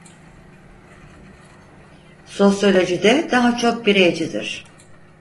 Sosyolojide daha çok bireycidir.